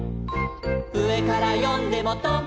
「うえからよんでもト・マ・ト」